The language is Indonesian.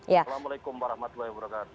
waalaikumsalam warahmatullahi wabarakatuh